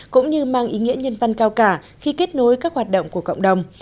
cũng như mang ý nghĩa nhân văn cao cả khi kết nối các hoạt động của cộng đồng